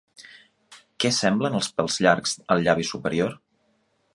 Què semblen els pèls llargs al llavi superior?